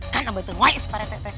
kan abang teruai pak rt